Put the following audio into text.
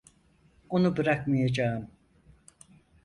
Onu bırakmayacağım.